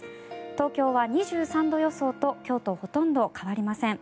東京は２３度予想と今日とほとんど変わりません。